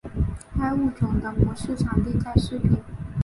该物种的模式产地在石屏。